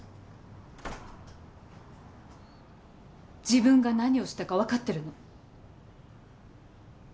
自分が何をしたか分かってるの？